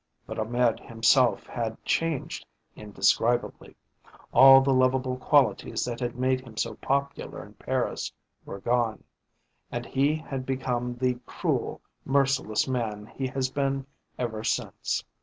But Ahmed himself had changed indescribably. All the lovable qualities that had made him so popular in Paris were gone, and he had become the cruel, merciless man he has been ever since.